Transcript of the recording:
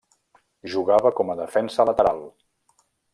Jugava com a defensa lateral.